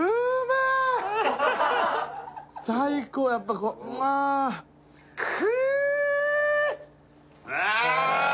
最高やっぱこうああああっ！